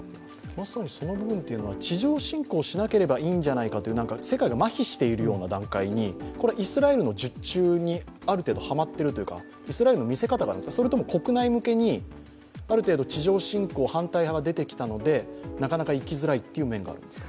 まさにその部分というのは地上作戦をしなければいいんじゃないかと世界がまひしているようにこれはイスラエルの術中にある程度はまっているというか、イスラエルの見せ方なんですか、それとも国内向けに、ある程度、地上侵攻反対派が出てきたので、なかなか行きづらいという面があるんですか？